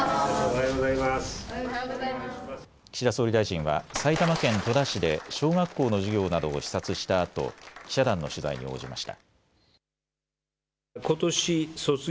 岸田総理大臣は埼玉県戸田市で小学校の授業などを視察したあと記者団の取材に応じました。